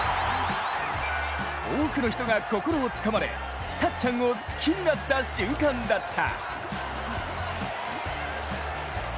多くの人が心をつかまれ、たっちゃんを好きになった瞬間だった。